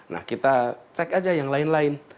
nah kita cek aja yang lain lain